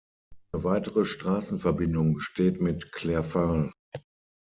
Eine weitere Straßenverbindung besteht mit Clerval.